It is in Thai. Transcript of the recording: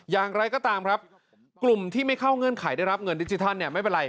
อย่างไรก็ตามครับกลุ่มที่ไม่เข้าเงื่อนไขได้รับเงินดิจิทัลเนี่ยไม่เป็นไร